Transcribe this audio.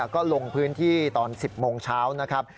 ก็ลงพื้นที่ตอน๑๐โมงเช้านะครับ